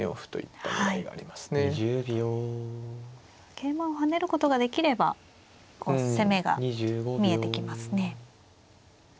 桂馬を跳ねることができれば攻めが見えてきますね。